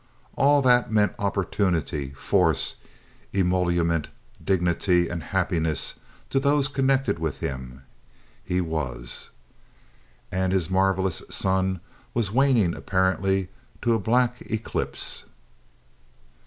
All that meant opportunity, force, emolument, dignity, and happiness to those connected with him, he was. And his marvelous sun was waning apparently to a black eclipse.